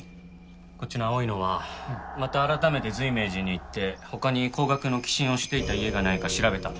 こっちの青いのはまた改めて随明寺に行って他に高額の寄進をしていた家がないか調べたんだ。